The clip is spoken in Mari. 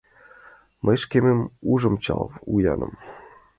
Мый шкемым ужым чал вуяным.